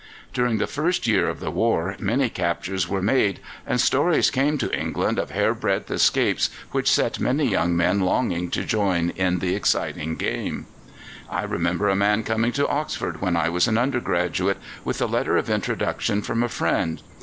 During the first year of the war many captures were made, and stories came to England of hairbreadth escapes which set many young men longing to join in the exciting game. I remember a man coming to Oxford when I was an undergraduate with a letter of introduction from a friend.